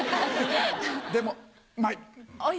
でもうまい！